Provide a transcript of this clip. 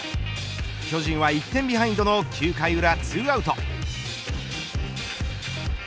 巨人は１点ビハインドの９回裏、２アウト。